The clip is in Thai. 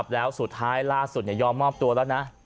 แล้วสุดท้ายล่าสุดยอมมอบตัวแล้วนะ